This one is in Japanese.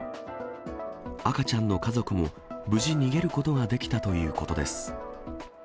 赤ちゃんの家族も無事、逃げることができたということです。